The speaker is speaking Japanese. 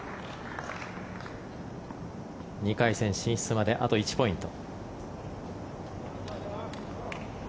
２回戦進出まであと１ポイント。